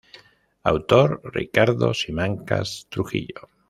Autor: Ricardo Simancas Trujillo.